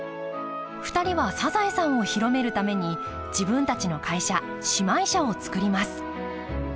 ２人は「サザエさん」を広めるために自分たちの会社姉妹社を作ります。